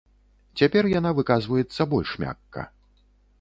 Цяпер яна выказваецца больш мякка.